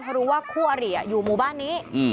เพราะรู้ว่าคู่อริอยู่หมู่บ้านนี้